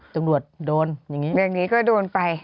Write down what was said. จริงก็โดนไป